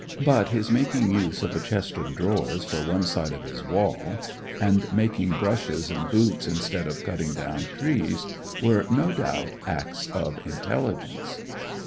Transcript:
But his making use of a chest of drawers for one side of his wall, and taking brushes and boots instead of cutting down trees, were no doubt acts of intelligence.